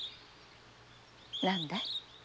何だい？